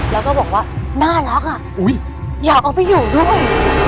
แล้วก็บอกว่าน่ารักอ่ะอยากเอาไปอยู่ด้วย